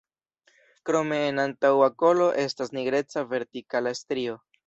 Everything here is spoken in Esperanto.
Krome en antaŭa kolo estas nigreca vertikala strio.